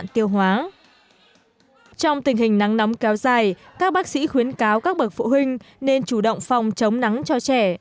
trong tình hình nắng nóng kéo dài các bác sĩ khuyến cáo các bậc phụ huynh nên chủ động phòng chống nắng cho trẻ